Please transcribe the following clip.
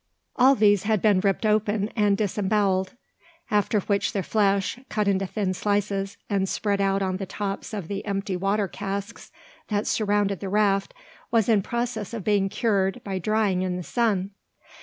All these had been ripped open and disembowelled, after which their flesh, cut into thin slices, and spread out on the tops of the empty water casks that surrounded the raft, was in process of being cured by drying in the sun.